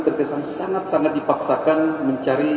terkesan sangat sangat dipaksakan mencari